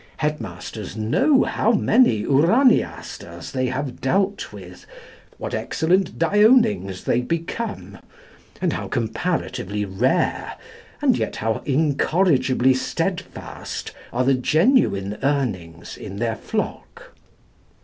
Headmasters know how many Uraniasters they have dealt with, what excellent Dionings they become, and how comparatively rare, and yet how incorrigibly steadfast, are the genuine Urnings in their flock.